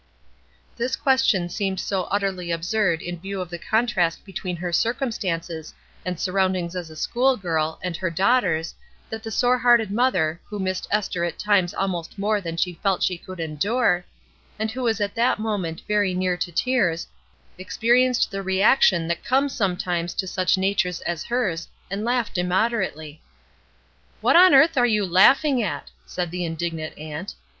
This question seemed so utterly absurd in view of the contrast between her circumstances and surroundings as a school girl and her daughter's, that the sore hearted mother, who missed Esther at times almost more than she felt she could endure, and who was at that moment very near to tears, experienced the reaction that comes HOME 283 sometimes to such natures as hers, and laughed immoderately. "What on earth are you laughing at?'' said the indignant aimt.